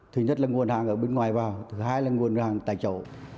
thứ nhất là nguồn hàng ở bên ngoài vào thứ hai là nguồn hàng tại chỗ